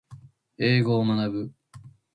英語を学ぶ